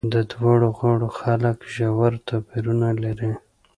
د دواړو غاړو خلک ژور توپیرونه لري.